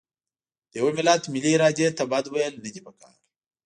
د یوه ملت ملي ارادې ته بد ویل نه دي پکار.